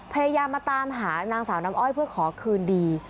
พยายามมาตามหานางสาวน้ำอ้อยเพื่อขอคืนดี